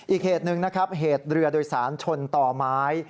อีกเหตุหนึ่งนะครับเหตุเรือโดยสารชนต่อไม้